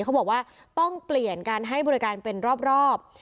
เขาบอกว่าต้องเปลี่ยนการให้บริการเป็นรอบ